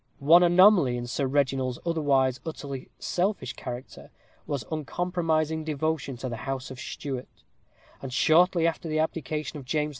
One anomaly in Sir Reginald's otherwise utterly selfish character was uncompromising devotion to the house of Stuart; and shortly after the abdication of James II.